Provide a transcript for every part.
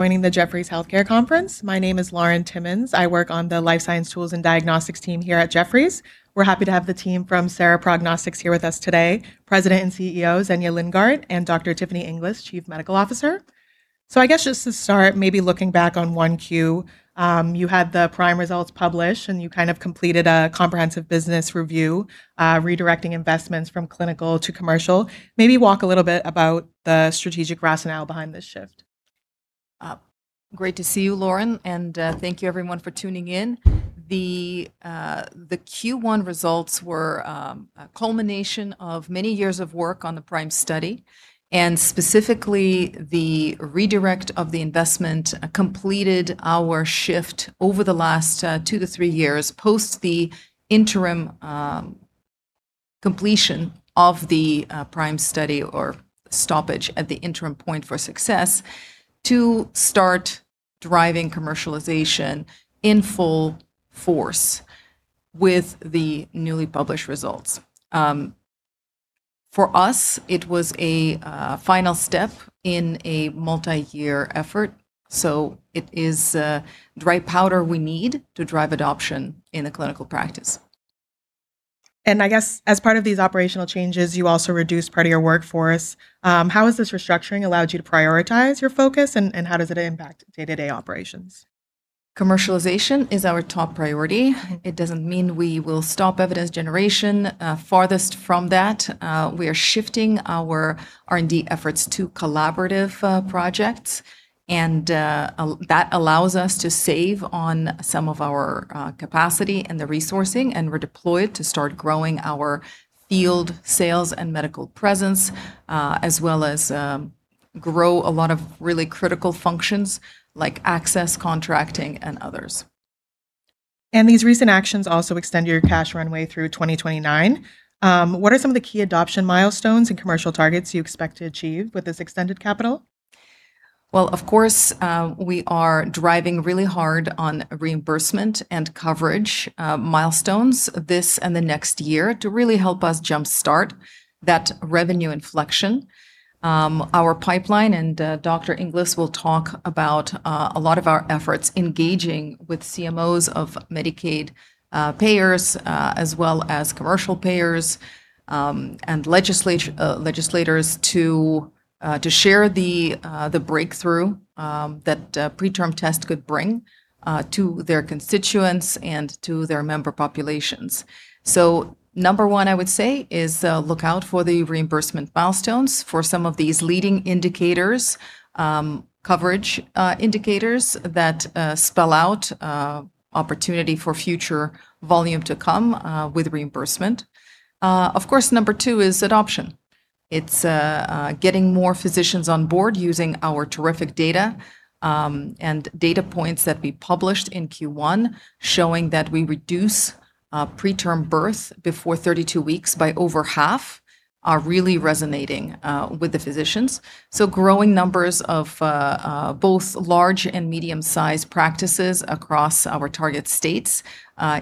Joining the Jefferies Healthcare Conference. My name is Lauren Timmons. I work on the Life Science Tools and Diagnostics team here at Jefferies. We're happy to have the team from Sera Prognostics here with us today, President and CEO, Zhenya Lindgardt, and Dr. Tiffany Inglis, Chief Medical Officer. I guess just to start, maybe looking back on 1Q, you had the PRIME results published, and you completed a comprehensive business review, redirecting investments from clinical to commercial. Maybe walk a little bit about the strategic rationale behind this shift. Great to see you, Lauren, and thank you everyone for tuning in. The Q1 results were a culmination of many years of work on the PRIME study, and specifically, the redirect of the investment completed our shift over the last two to three years, post the interim completion of the PRIME study, or stoppage at the interim point for success, to start driving commercialization in full force with the newly published results. For us, it was a final step in a multi-year effort. It is dry powder we need to drive adoption in a clinical practice. I guess as part of these operational changes, you also reduced part of your workforce. How has this restructuring allowed you to prioritize your focus, and how does it impact day-to-day operations? Commercialization is our top priority. It doesn't mean we will stop evidence generation. Farthest from that. We are shifting our R&D efforts to collaborative projects, and that allows us to save on some of our capacity and the resourcing, and redeploy it to start growing our field sales and medical presence, as well as grow a lot of really critical functions like access, contracting, and others. These recent actions also extend your cash runway through 2029. What are some of the key adoption milestones and commercial targets you expect to achieve with this extended capital? Well, of course, we are driving really hard on reimbursement and coverage milestones this and the next year to really help us jumpstart that revenue inflection. Our pipeline, Dr. Inglis will talk about a lot of our efforts engaging with CMOs of Medicaid payers, as well as commercial payers, and legislators to share the breakthrough that a preterm test could bring to their constituents and to their member populations. Number one, I would say, is look out for the reimbursement milestones for some of these leading indicators, coverage indicators that spell out opportunity for future volume to come with reimbursement. Of course, number two is adoption. It's getting more physicians on board using our terrific data, and data points that we published in Q1 showing that we reduce preterm birth before 32 weeks by over 1/2 are really resonating with the physicians. Growing numbers of both large and medium-size practices across our target states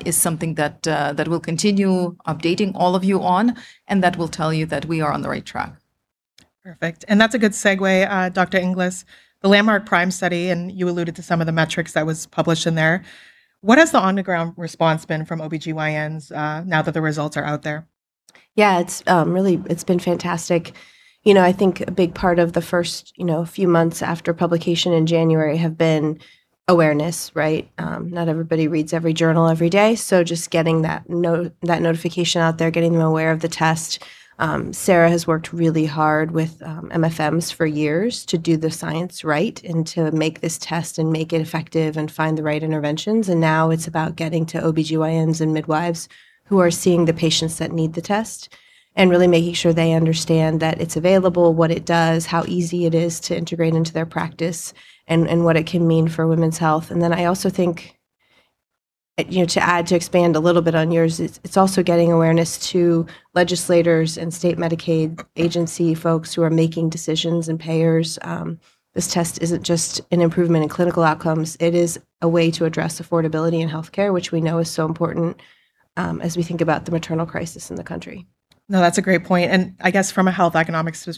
is something that we'll continue updating all of you on, and that will tell you that we are on the right track. Perfect. That's a good segue, Dr. Inglis, the landmark PRIME study, and you alluded to some of the metrics that was published in there. What has the on-the-ground response been from OBGYNs now that the results are out there? Yeah, it's been fantastic. I think a big part of the first few months after publication in January have been awareness, right? Not everybody reads every journal every day, so just getting that notification out there, getting them aware of the test. Sera has worked really hard with MFMs for years to do the science right and to make this test and make it effective and find the right interventions. Now it's about getting to OBGYNs and midwives who are seeing the patients that need the test, and really making sure they understand that it's available, what it does, how easy it is to integrate into their practice, and what it can mean for women's health. Then I also think, to expand a little bit on yours, it's also getting awareness to legislators and state Medicaid agency folks who are making decisions, and payers. This test isn't just an improvement in clinical outcomes. It is a way to address affordability in healthcare, which we know is so important as we think about the maternal crisis in the country. No, that's a great point. I guess from a health economics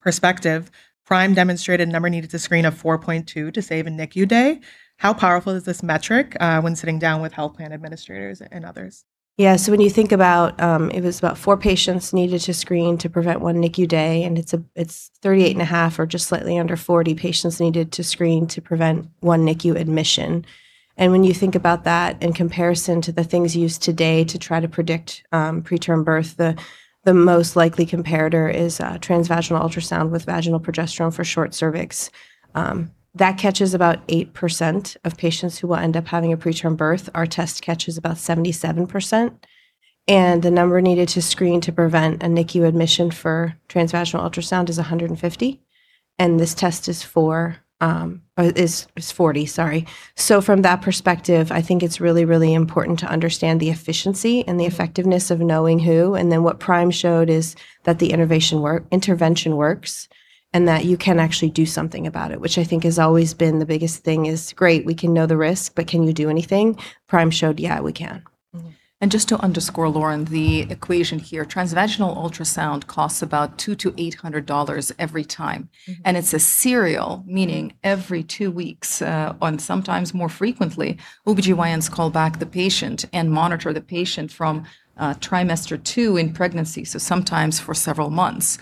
perspective, PRIME demonstrated number needed to screen of 4.2 to save a NICU day. How powerful is this metric when sitting down with health plan administrators and others? When you think about, it was about four patients needed to screen to prevent one NICU day. It's 38.5 or just slightly under 40 patients needed to screen to prevent one NICU admission. When you think about that in comparison to the things used today to try to predict preterm birth, the most likely comparator is transvaginal ultrasound with vaginal progesterone for short cervix. That catches about 8% of patients who will end up having a preterm birth. Our test catches about 77%. The number needed to screen to prevent a NICU admission for transvaginal ultrasound is 150. This test is 40. From that perspective, I think it's really important to understand the efficiency and the effectiveness of knowing who. What PRIME showed is that the intervention works, and that you can actually do something about it, which I think has always been the biggest thing is, great, we can know the risk, but can you do anything? PRIME showed, yeah, we can. Just to underscore, Lauren, the equation here, transvaginal ultrasound costs about $200-$800 every time. It's a serial, meaning every two weeks, on sometimes more frequently, OBGYNs call back the patient and monitor the patient from trimester two in pregnancy, so sometimes for several months.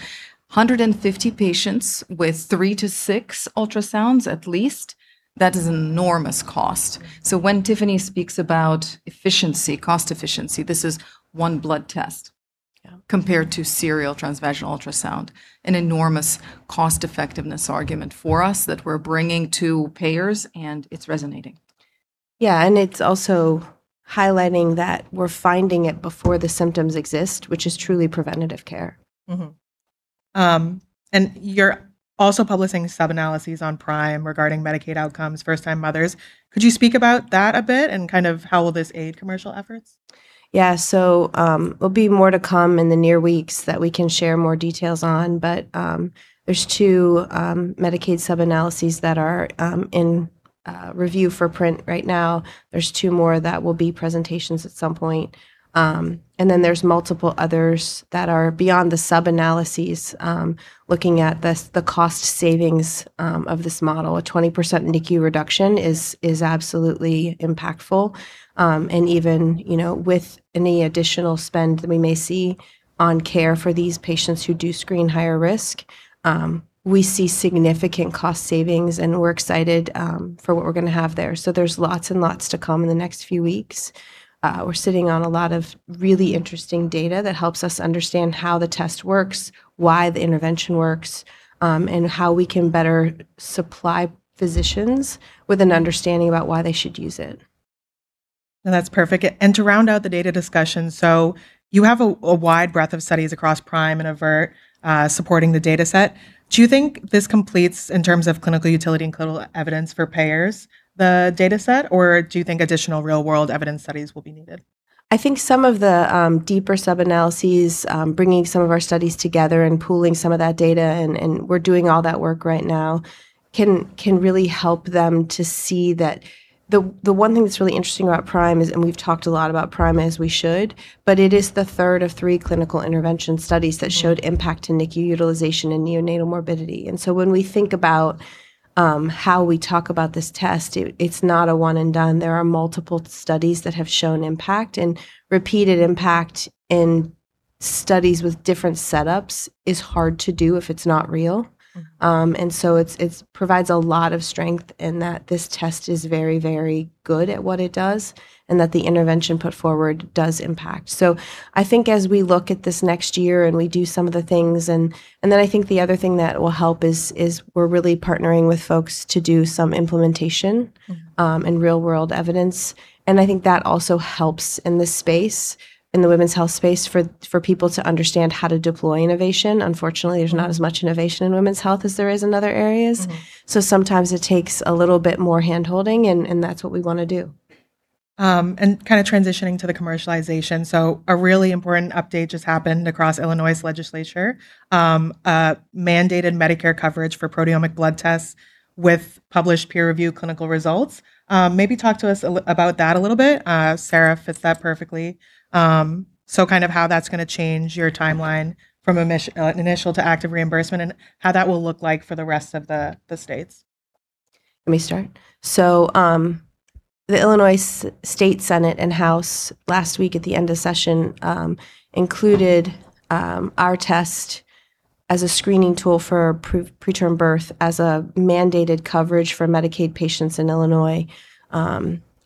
150 patients with three to six ultrasounds at least, that is an enormous cost. When Tiffany speaks about cost efficiency, this is one blood test. Yeah Compared to serial transvaginal ultrasound. An enormous cost-effectiveness argument for us that we're bringing to payers, and it's resonating. Yeah, it's also highlighting that we're finding it before the symptoms exist, which is truly preventative care. You're also publishing sub-analyses on PRIME regarding Medicaid outcomes, first-time mothers. Could you speak about that a bit and how will this aid commercial efforts? Yeah. Will be more to come in the near weeks that we can share more details on, but there's two Medicaid sub-analyses that are in review for print right now. There's two more that will be presentations at some point. There's multiple others that are beyond the sub-analyses, looking at the cost savings of this model. A 20% NICU reduction is absolutely impactful. Even with any additional spend that we may see on care for these patients who do screen higher risk, we see significant cost savings, and we're excited for what we're going to have there. There's lots and lots to come in the next few weeks. We're sitting on a lot of really interesting data that helps us understand how the test works, why the intervention works, and how we can better supply physicians with an understanding about why they should use it. No, that's perfect. To round out the data discussion, so you have a wide breadth of studies across PRIME and AVERT supporting the data set. Do you think this completes, in terms of clinical utility and clinical evidence for payers, the data set, or do you think additional real-world evidence studies will be needed? I think some of the deeper sub-analyses, bringing some of our studies together and pooling some of that data, and we're doing all that work right now, can really help them to see that the one thing that's really interesting about PRIME is, and we've talked a lot about PRIME, as we should, but it is the third of three clinical intervention studies that showed impact to NICU utilization and neonatal morbidity. When we think about how we talk about this test, it's not a one and done. There are multiple studies that have shown impact, and repeated impact in studies with different setups is hard to do if it's not real. It provides a lot of strength in that this test is very good at what it does, and that the intervention put forward does impact. I think as we look at this next year, and we do some of the things, and then I think the other thing that will help is we're really partnering with folks to do some implementation. Real-world evidence. I think that also helps in this space, in the women's health space, for people to understand how to deploy innovation. Unfortunately, there's not as much innovation in women's health as there is in other areas. Sometimes it takes a little bit more hand-holding, and that's what we want to do. Kind of transitioning to the commercialization, a really important update just happened across Illinois legislature. Mandated Medicaid coverage for proteomic blood tests with published peer review clinical results. Maybe talk to us about that a little bit. Sera fits that perfectly. Kind of how that's going to change your timeline from initial to active reimbursement and how that will look like for the rest of the states. Let me start. The Illinois State Senate and House last week at the end of session included our test as a screening tool for preterm birth as a mandated coverage for Medicaid patients in Illinois.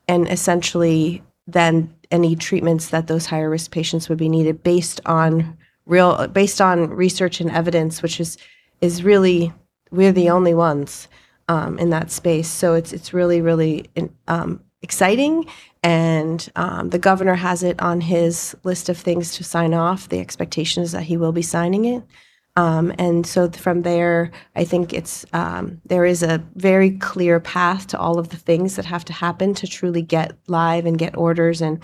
Essentially then any treatments that those higher-risk patients would be needed based on research and evidence, which is really we're the only ones in that space. It's really exciting, and the Governor has it on his list of things to sign off. The expectation is that he will be signing it. From there, I think there is a very clear path to all of the things that have to happen to truly get live and get orders and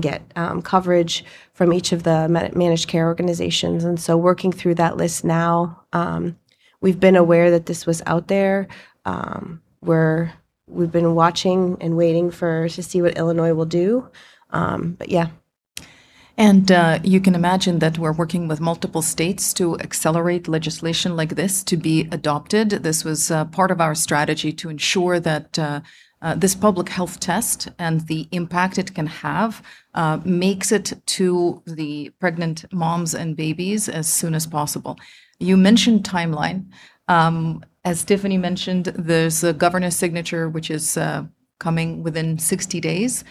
get coverage from each of the managed care organizations. Working through that list now. We've been aware that this was out there. We've been watching and waiting to see what Illinois will do. Yeah. You can imagine that we're working with multiple states to accelerate legislation like this to be adopted. This was part of our strategy to ensure that this public health test and the impact it can have, makes it to the pregnant moms and babies as soon as possible. You mentioned timeline. As Tiffany mentioned, there's a governor signature, which is coming within 60 days.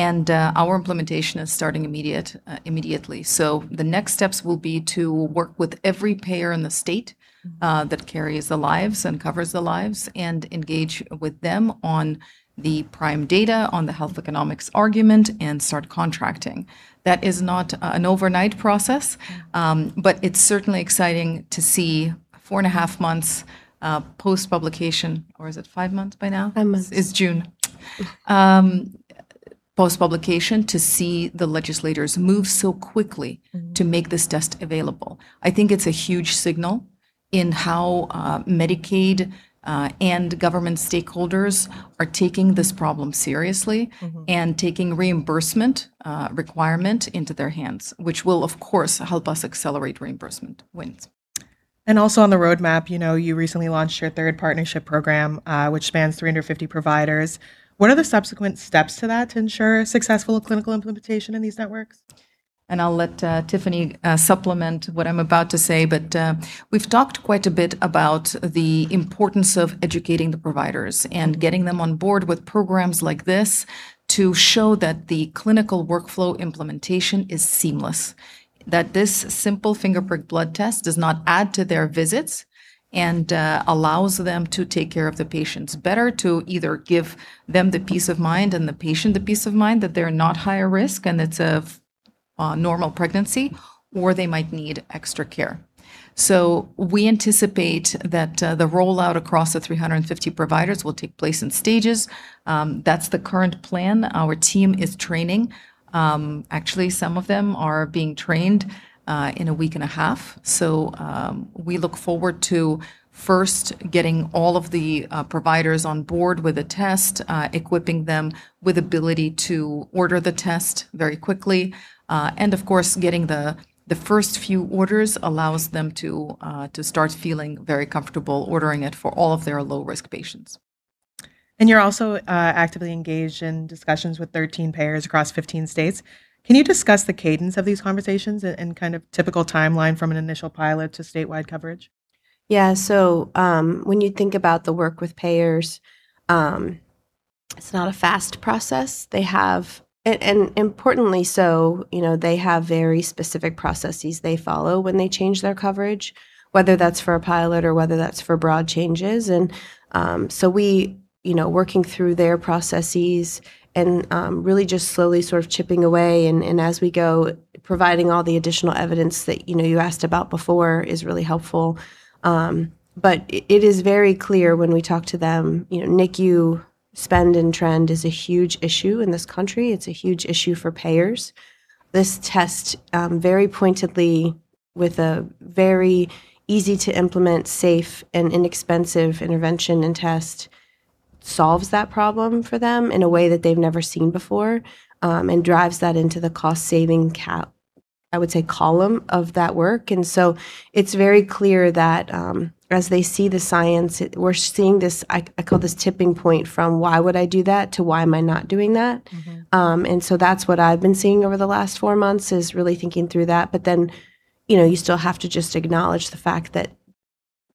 Our implementation is starting immediately. The next steps will be to work with every payer in the state that carries the lives and covers the lives and engage with them on the PRIME data, on the health economics argument, and start contracting. That is not an overnight process. It's certainly exciting to see 4.5 months post-publication, or is it five months by now? Five months. It's June. Post-publication to see the legislators move so quickly to make this test available, I think it's a huge signal in how Medicaid and government stakeholders are taking this problem seriously. Taking reimbursement requirement into their hands, which will, of course, help us accelerate reimbursement wins. Also on the roadmap, you recently launched your third partnership program, which spans 350 providers. What are the subsequent steps to that to ensure successful clinical implementation in these networks? I'll let Tiffany supplement what I'm about to say, but we've talked quite a bit about the importance of educating the providers and getting them on board with programs like this to show that the clinical workflow implementation is seamless. This simple finger prick blood test does not add to their visits, and allows them to take care of the patients better, to either give them the peace of mind and the patient the peace of mind that they're not higher risk and it's a normal pregnancy, or they might need extra care. We anticipate that the rollout across the 350 providers will take place in stages. That's the current plan. Our team is training. Actually, some of them are being trained in a week and a half. We look forward to first getting all of the providers on board with a test, equipping them with ability to order the test very quickly. Of course, getting the first few orders allows them to start feeling very comfortable ordering it for all of their low-risk patients. You're also actively engaged in discussions with 13 payers across 15 states. Can you discuss the cadence of these conversations and kind of typical timeline from an initial pilot to statewide coverage? Yeah. When you think about the work with payers, it's not a fast process. Importantly so, they have very specific processes they follow when they change their coverage, whether that's for a pilot or whether that's for broad changes. We working through their processes and really just slowly sort of chipping away and as we go, providing all the additional evidence that you asked about before is really helpful. It is very clear when we talk to them, NICU spend and trend is a huge issue in this country. It's a huge issue for payers. This test, very pointedly, with a very easy-to-implement, safe, and inexpensive intervention and test, solves that problem for them in a way that they've never seen before, and drives that into the cost-saving, I would say, column of that work. It's very clear that as they see the science, we're seeing this, I call this tipping point from, "Why would I do that?" to, "Why am I not doing that? That's what I've been seeing over the last four months, is really thinking through that. You still have to just acknowledge the fact that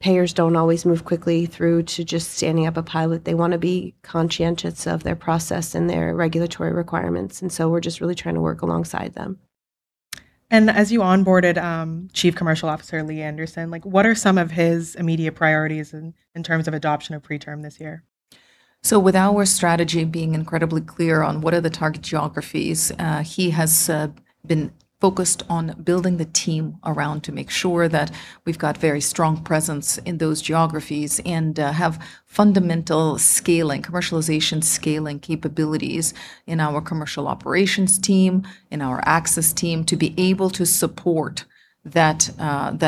payers don't always move quickly through to just standing up a pilot. They want to be conscientious of their process and their regulatory requirements, and so we're just really trying to work alongside them. As you onboarded Chief Commercial Officer Lee Anderson, what are some of his immediate priorities in terms of adoption of PreTRM this year? With our strategy being incredibly clear on what are the target geographies, he has been focused on building the team around to make sure that we've got very strong presence in those geographies and have fundamental scaling, commercialization scaling capabilities in our commercial operations team, in our access team, to be able to support that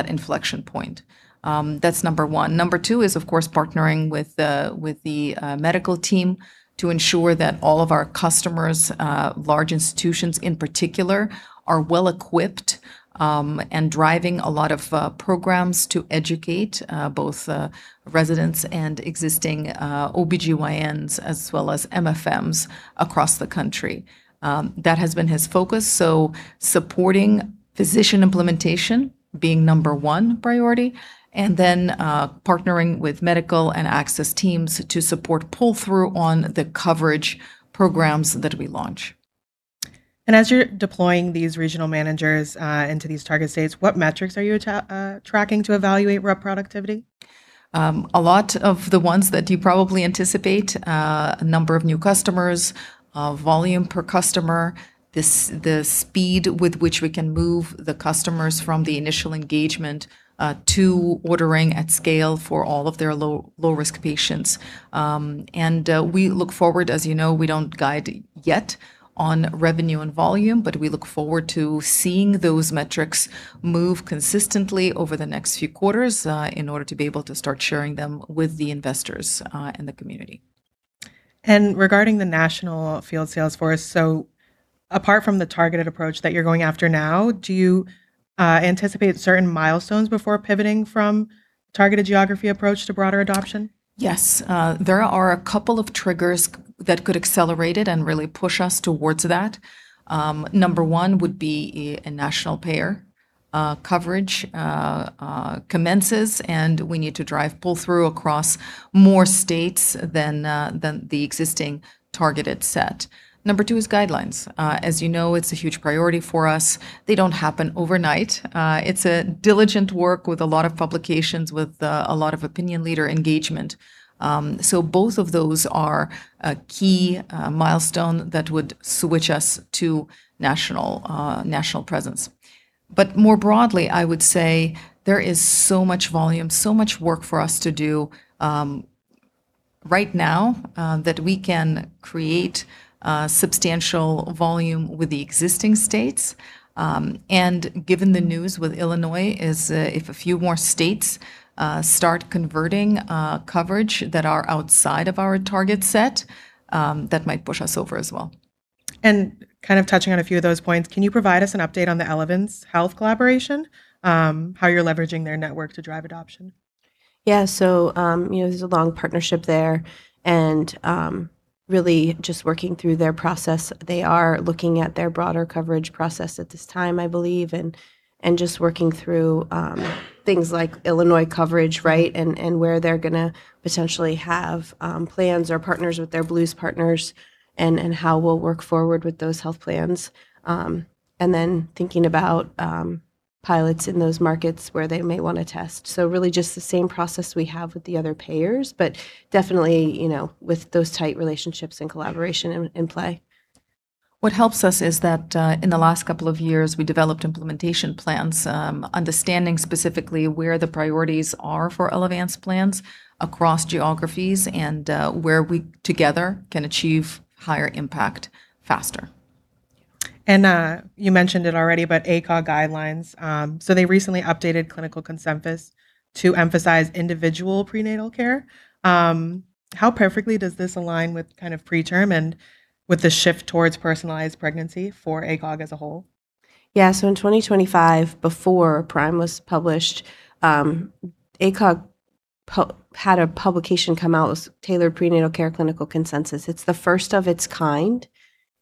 inflection point. That's number one. Number two is, of course, partnering with the medical team to ensure that all of our customers, large institutions in particular, are well-equipped and driving a lot of programs to educate both residents and existing OBGYNs as well as MFMs across the country. That has been his focus. Supporting physician implementation being number one priority, and then partnering with medical and access teams to support pull-through on the coverage programs that we launch. As you're deploying these regional managers into these target states, what metrics are you tracking to evaluate rep productivity? A lot of the ones that you probably anticipate. Number of new customers, volume per customer, the speed with which we can move the customers from the initial engagement to ordering at scale for all of their low-risk patients. We look forward, as you know, we don't guide yet on revenue and volume, but we look forward to seeing those metrics move consistently over the next few quarters in order to be able to start sharing them with the investors and the community. Regarding the national field sales force, apart from the targeted approach that you're going after now, do you anticipate certain milestones before pivoting from targeted geography approach to broader adoption? Yes. There are a couple of triggers that could accelerate it and really push us towards that. Number one would be a national payer coverage commences, and we need to drive pull-through across more states than the existing targeted set. Number two is guidelines. As you know, it's a huge priority for us. They don't happen overnight. It's a diligent work with a lot of publications, with a lot of opinion leader engagement. Both of those are a key milestone that would switch us to national presence. More broadly, I would say there is so much volume, so much work for us to do right now, that we can create substantial volume with the existing states. Given the news with Illinois, is if a few more states start converting coverage that are outside of our target set, that might push us over as well. Touching on a few of those points, can you provide us an update on the Elevance Health collaboration, how you're leveraging their network to drive adoption? Yeah. There's a long partnership there, and really just working through their process. They are looking at their broader coverage process at this time, I believe, and just working through things like Illinois coverage, and where they're going to potentially have plans or partners with their Blues partners, and how we'll work forward with those health plans. Then thinking about pilots in those markets where they may want to test. Really just the same process we have with the other payers, but definitely, with those tight relationships and collaboration in play. What helps us is that, in the last couple of years, we developed implementation plans, understanding specifically where the priorities are for Elevance plans across geographies, and where we, together, can achieve higher impact faster. You mentioned it already, but ACOG guidelines. They recently updated Clinical Consensus to emphasize individual prenatal care. How perfectly does this align with PreTRM and with the shift towards personalized pregnancy for ACOG as a whole? Yeah. In 2025, before PRIME was published, ACOG had a publication come out. It was Tailored Prenatal Care clinical consensus. It's the first of its kind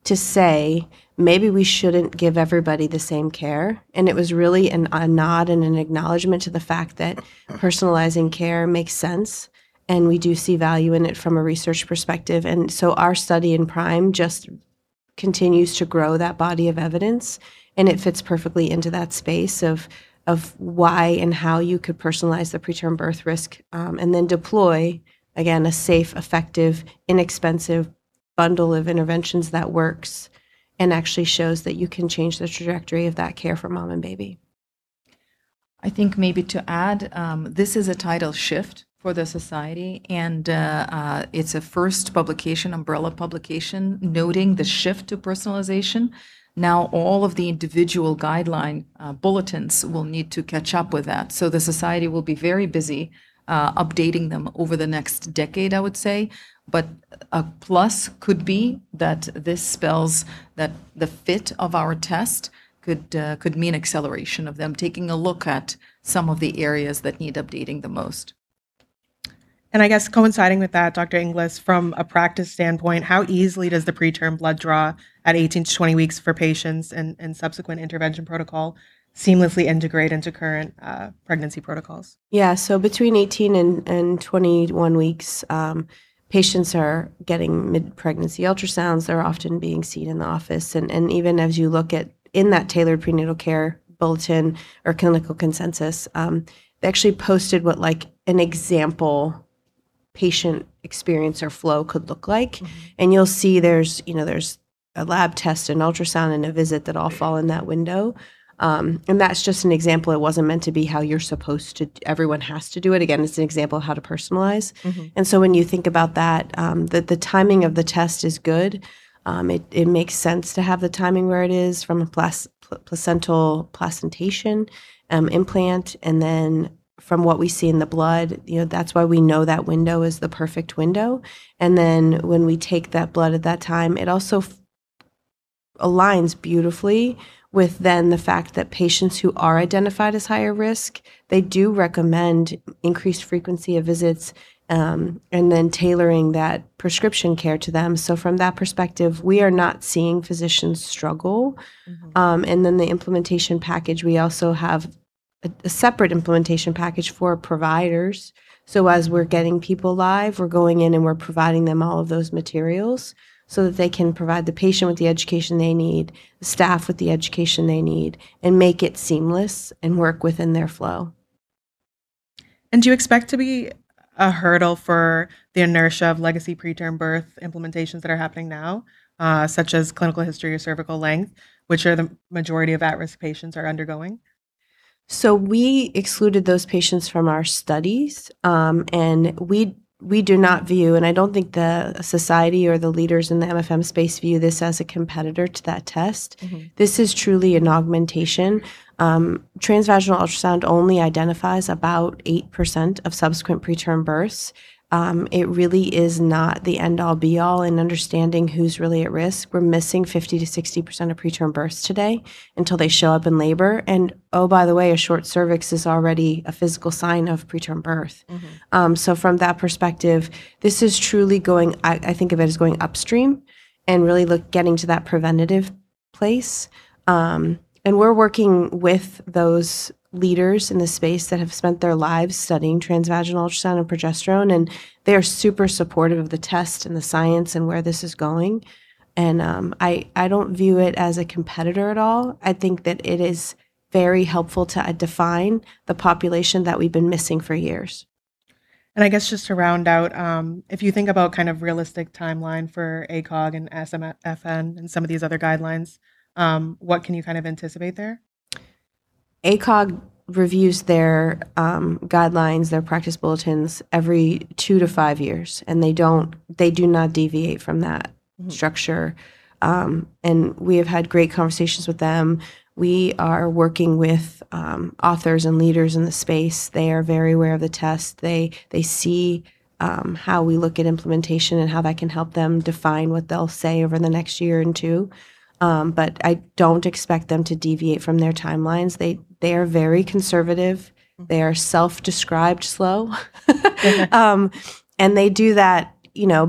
to say, "Maybe we shouldn't give everybody the same care." It was really a nod and an acknowledgment to the fact that personalizing care makes sense, and we do see value in it from a research perspective. Our study in PRIME just continues to grow that body of evidence, and it fits perfectly into that space of why and how you could personalize the preterm birth risk, and then deploy, again, a safe, effective, inexpensive bundle of interventions that works and actually shows that you can change the trajectory of that care for mom and baby. I think maybe to add, this is a tidal shift for the society. It's a first umbrella publication noting the shift to personalization. All of the individual guideline bulletins will need to catch up with that. The society will be very busy updating them over the next decade, I would say. A plus could be that this spells that the fit of our test could mean acceleration of them taking a look at some of the areas that need updating the most. I guess coinciding with that, Dr. Inglis, from a practice standpoint, how easily does the PreTRM blood draw at 18-20 weeks for patients and subsequent intervention protocol seamlessly integrate into current pregnancy protocols? Yeah. Between 18 and 21 weeks, patients are getting mid-pregnancy ultrasounds. They're often being seen in the office. Even as you look at in that Tailored Prenatal Care bulletin or Clinical Consensus, they actually posted what an example patient experience or flow could look like. You'll see there's a lab test, an ultrasound, and a visit that all fall in that window. And that's just an example. It wasn't meant to be how everyone has to do it. Again, it's an example of how to personalize. When you think about that, the timing of the test is good. It makes sense to have the timing where it is from a placental implantation, implant, and then from what we see in the blood, that's why we know that window is the perfect window. When we take that blood at that time, it also aligns beautifully with then the fact that patients who are identified as higher risk, they do recommend increased frequency of visits, and then tailoring that prescription care to them. From that perspective, we are not seeing physicians struggle. Then the implementation package, we also have a separate implementation package for providers. As we're getting people live, we're going in and we're providing them all of those materials so that they can provide the patient with the education they need, the staff with the education they need, and make it seamless and work within their flow. Do you expect to be a hurdle for the inertia of legacy preterm birth implementations that are happening now, such as clinical history or cervical length, which are the majority of at-risk patients are undergoing? We excluded those patients from our studies. We do not view, and I don't think the society or the leaders in the MFM space view this as a competitor to that test. This is truly an augmentation. Transvaginal ultrasound only identifies about 8% of subsequent preterm births. It really is not the end-all be-all in understanding who's really at risk. We're missing 50%-60% of preterm births today until they show up in labor. Oh, by the way, a short cervix is already a physical sign of preterm birth. From that perspective, this is truly going, I think of it as going upstream and really getting to that preventative place. We're working with those leaders in the space that have spent their lives studying transvaginal ultrasound and progesterone, and they are super supportive of the test and the science and where this is going. I don't view it as a competitor at all. I think that it is very helpful to define the population that we've been missing for years. I guess just to round out, if you think about realistic timeline for ACOG and SMFM and some of these other guidelines, what can you anticipate there? ACOG reviews their guidelines, their practice bulletins every two to five years. They do not deviate from that structure. We have had great conversations with them. We are working with authors and leaders in the space. They are very aware of the test. They see how we look at implementation and how that can help them define what they'll say over the next year and two. I don't expect them to deviate from their timelines. They are very conservative. They are self-described slow. They do that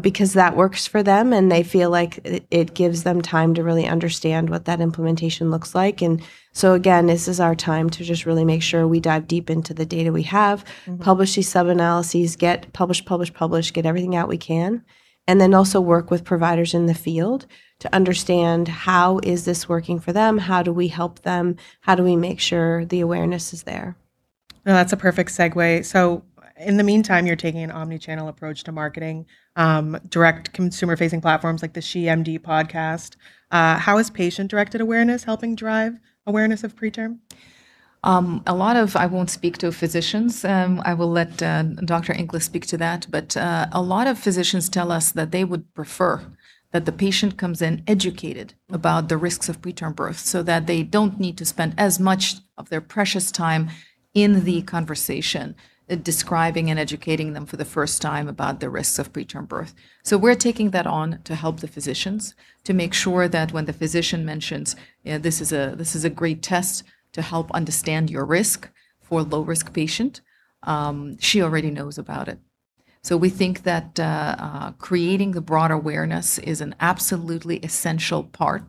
because that works for them, and they feel like it gives them time to really understand what that implementation looks like. Again, this is our time to just really make sure we dive deep into the data we have, publish these sub-analyses, publish, publish, get everything out we can, and then also work with providers in the field to understand how is this working for them, how do we help them, how do we make sure the awareness is there. That's a perfect segue. In the meantime, you're taking an omni-channel approach to marketing, direct consumer-facing platforms like the "SHE MD" podcast. How is patient-directed awareness helping drive awareness of preterm? A lot of, I won't speak to physicians, I will let Dr. Inglis speak to that, but a lot of physicians tell us that they would prefer that the patient comes in educated about the risks of preterm birth so that they don't need to spend as much of their precious time in the conversation describing and educating them for the first time about the risks of preterm birth. We're taking that on to help the physicians to make sure that when the physician mentions, "This is a great test to help understand your risk for low-risk patient," she already knows about it. We think that creating the broad awareness is an absolutely essential part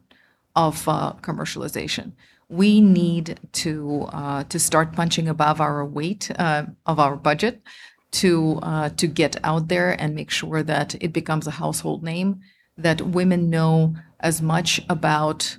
of commercialization. We need to start punching above our weight of our budget to get out there and make sure that it becomes a household name, that women know as much about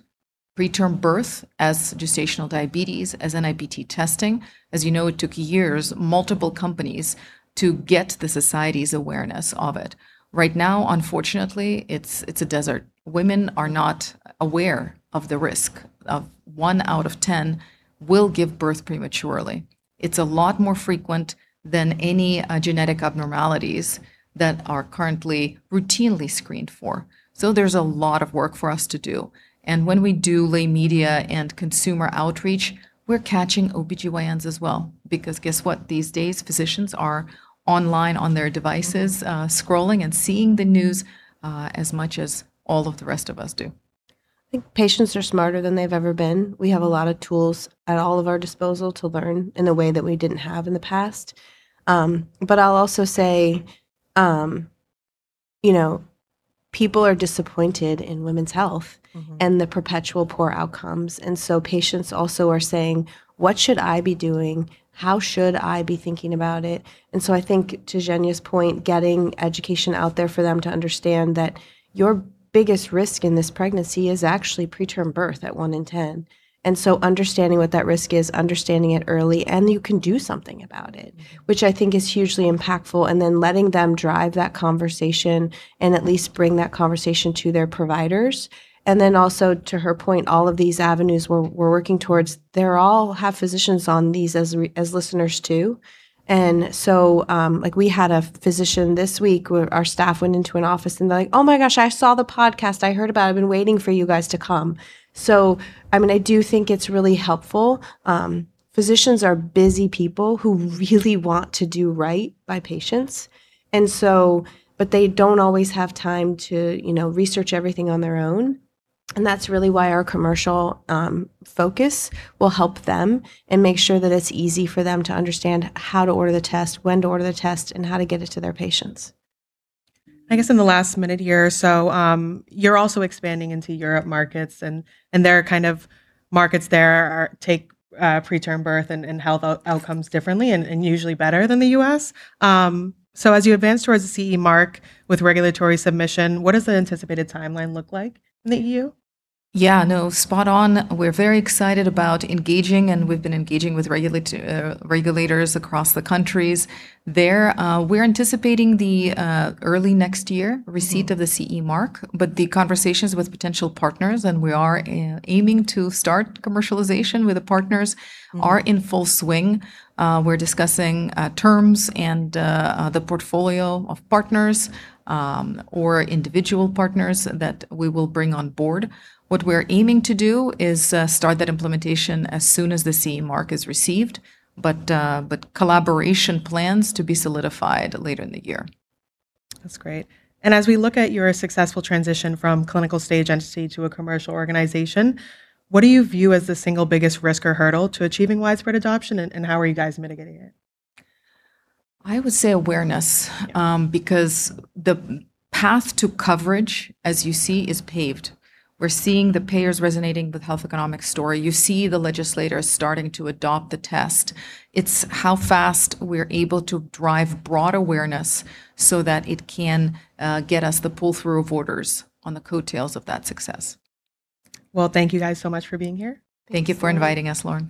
preterm birth as gestational diabetes, as NIPT testing. As you know, it took years, multiple companies, to get the society's awareness of it. Right now, unfortunately, it's a desert. Women are not aware of the risk of one out of 10 will give birth prematurely. It's a lot more frequent than any genetic abnormalities that are currently routinely screened for. There's a lot of work for us to do. When we do lay media and consumer outreach, we're catching OBGYNs as well, because guess what. These days, physicians are online on their devices, scrolling and seeing the news as much as all of the rest of us do. I think patients are smarter than they've ever been. We have a lot of tools at all of our disposal to learn in a way that we didn't have in the past. I'll also say, people are disappointed in women's health and the perpetual poor outcomes. Patients also are saying, "What should I be doing? How should I be thinking about it?" I think to Zhenya's point, getting education out there for them to understand that your biggest risk in this pregnancy is actually preterm birth at one in 10. Understanding what that risk is, understanding it early, and you can do something about it, which I think is hugely impactful. Letting them drive that conversation and at least bring that conversation to their providers. Also to her point, all of these avenues we're working towards, they all have physicians on these as listeners too. We had a physician this week. Our staff went into an office and they're like, "Oh my gosh. I saw the podcast. I heard about it. I've been waiting for you guys to come." I do think it's really helpful. Physicians are busy people who really want to do right by patients, but they don't always have time to research everything on their own. That's really why our commercial focus will help them and make sure that it's easy for them to understand how to order the test, when to order the test, and how to get it to their patients. I guess in the last minute here or so, you're also expanding into Europe markets, and there are kind of markets there take preterm birth and health outcomes differently and usually better than the U.S. As you advance towards the CE mark with regulatory submission, what does the anticipated timeline look like in the E.U.? Yeah, no, spot on. We're very excited about engaging, and we've been engaging with regulators across the countries there. We're anticipating the early next year receipt of the CE mark, but the conversations with potential partners, and we are aiming to start commercialization with the partners, are in full swing. We're discussing terms and the portfolio of partners or individual partners that we will bring on board. What we're aiming to do is start that implementation as soon as the CE mark is received, but collaboration plans to be solidified later in the year. That's great. As we look at your successful transition from clinical stage entity to a commercial organization, what do you view as the single biggest risk or hurdle to achieving widespread adoption, and how are you guys mitigating it? I would say awareness because the path to coverage, as you see, is paved. We're seeing the payers resonating with health economic story. You see the legislators starting to adopt the test. It's how fast we're able to drive broad awareness so that it can get us the pull-through of orders on the coattails of that success. Well, thank you guys so much for being here. Thank you. Thank you for inviting us, Lauren.